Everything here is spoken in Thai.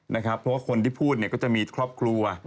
เพราะว่าคนที่พูดก็จะมีครอบครัว